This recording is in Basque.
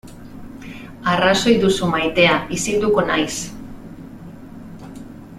Arrazoi duzu maitea, isilduko naiz.